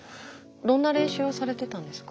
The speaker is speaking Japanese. どんな練習をされてたんですか？